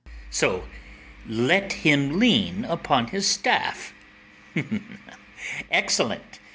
] So, let him lean upon his staff; excellent!